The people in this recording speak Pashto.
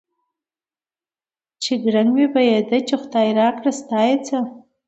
شنه گړنگ مې بهيده ، چې خداى راکړه ستا يې څه ؟